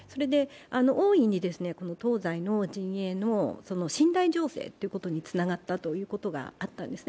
大いに東西の陣営の信頼醸成につながったということがあったんですね。